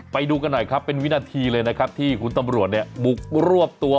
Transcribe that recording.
ไปดูกันหน่อยครับเป็นวินาทีเลยนะครับที่คุณตำรวจเนี่ยบุกรวบตัว